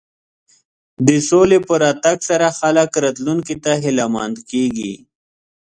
د سولې په راتګ سره خلک راتلونکي ته هیله مند کېږي.